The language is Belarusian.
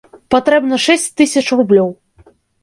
Патрэбна шэсць тысяч рублёў.